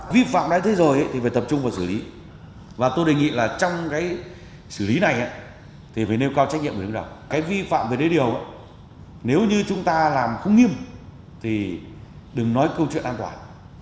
vi phạm về đê điều nếu như chúng ta làm không nghiêm thì đừng nói câu chuyện an toàn